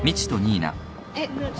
えっ？